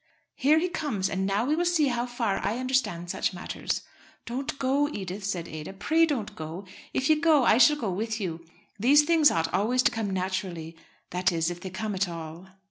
"Here he comes, and now we will see how far I understand such matters." "Don't go, Edith," said Ada. "Pray don't go. If you go I shall go with you. These things ought always to come naturally, that is if they come at all."